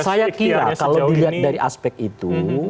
saya kira kalau dilihat dari aspek itu